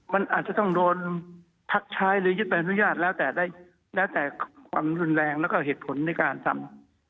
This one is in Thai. มันอาจจะต้องโดนพักใช้หรือยึดแบบอนุญาตแล้วแต่ความรุนแรงและเหตุผลในการทำ